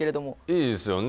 いいですよね。